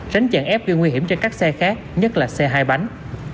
ránh chặn ép gây nguy hiểm cho các xe khác nhất là xe hai bánh